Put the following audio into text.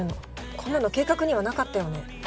こんなの計画にはなかったよね。